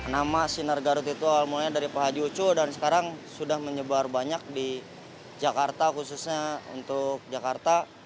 nama sinar garut itu awalnya dari pak haji uco dan sekarang sudah menyebar banyak di jakarta khususnya untuk jakarta